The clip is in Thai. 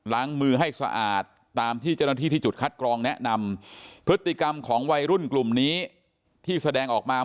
ล้างมือให้สะอาดตามที่เจ้าหน้าที่ที่จุดคัดกรองแนะนำพฤติกรรมของวัยรุ่นกลุ่มนี้ที่แสดงออกมา